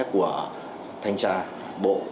của thanh tra bộ